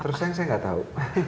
terus yang saya nggak tahu